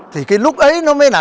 thì cái lúc ấy nó mới là